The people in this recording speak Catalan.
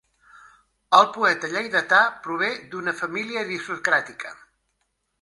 El poeta lleidatà prové d'una família aristocràtica.